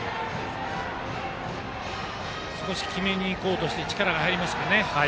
決めに行こうとして力が入りましたかね。